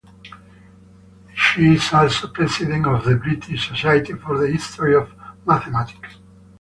She is also president of the British Society for the History of Mathematics.